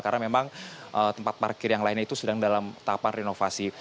karena memang tempat parkir yang lainnya itu sedang dalam tahapan renovasi